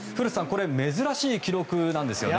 これ珍しい記録なんですよね？